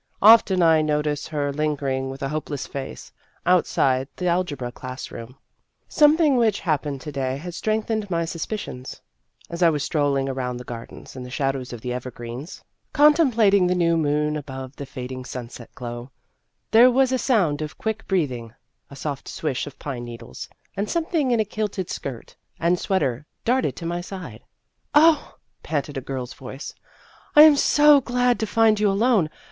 Often I notice her lingering with a hopeless face outside the algebra class room. Some thing which happened to day has strength ened my suspicions. As I was strolling around the gardens in the shadow of the evergreens, contem 1 Printed in the Vassarion of 1896. 199 200 Vassar Studies plating the new moon above the fading sunset glow, there was a sound of quick breathing, a soft swish of pine needles, and something in a kilted skirt and sweater darted to my side. " Oh," panted a girl's voice, " I am so glad to find you alone